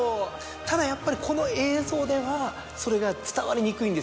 ただやっぱりこの映像ではそれが伝わりにくいんですよ。